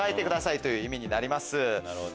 なるほど。